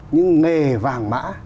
nhưng nghề vàng mã